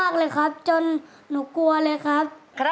ขอบคุณค่ะ